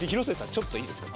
ちょっといいですか？